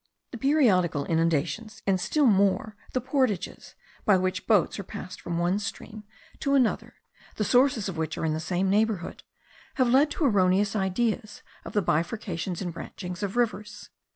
The periodical inundations, and still more the portages, by which boats are passed from one stream to another, the sources of which are in the same neighbourhood, have led to erroneous ideas of the bifurcations and branchings of rivers.